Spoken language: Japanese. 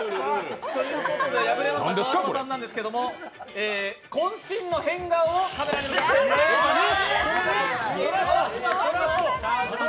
破れました川島さんなんですけどもこん身の変顔をカメラに向かってお願いします。